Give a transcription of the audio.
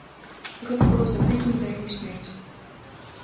Гэта было за тыдзень да яго смерці.